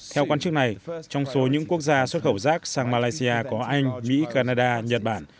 theo quan chức này trong số những quốc gia xuất khẩu rác sang malaysia có anh mỹ canada nhật bản